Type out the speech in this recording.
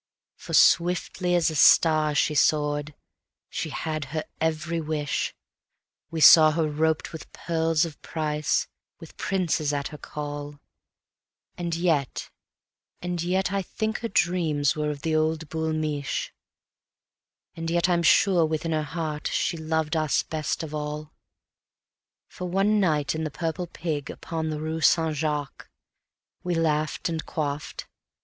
For swiftly as a star she soared; she had her every wish; We saw her roped with pearls of price, with princes at her call; And yet, and yet I think her dreams were of the old Boul' Mich', And yet I'm sure within her heart she loved us best of all. For one night in the Purple Pig, upon the rue Saint Jacques, We laughed and quaffed